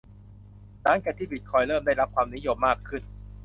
หลังจากที่บิตคอยน์เริ่มได้รับความนิยมมากขึ้น